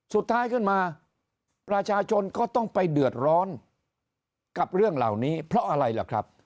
สุดท้ายขึ้นมาประชาชนก็ต้องไปเดือดร้อนกับเรื่องเหล่านี้เพราะอะไรล่ะครับ